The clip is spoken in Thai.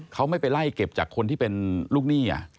เขาไม่ไปไล่เก็บจากคนที่เป็นลูกหนี้